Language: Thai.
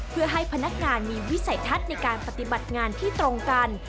เพื่อให้พนักงานมีวิสัยทัศน์ในการปฏิบัติงานที่ตรงกัน